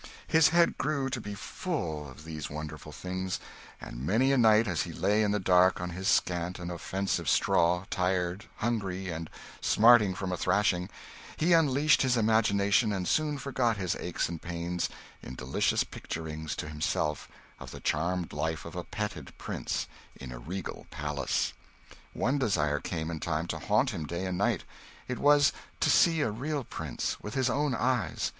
His head grew to be full of these wonderful things, and many a night as he lay in the dark on his scant and offensive straw, tired, hungry, and smarting from a thrashing, he unleashed his imagination and soon forgot his aches and pains in delicious picturings to himself of the charmed life of a petted prince in a regal palace. One desire came in time to haunt him day and night: it was to see a real prince, with his own eyes.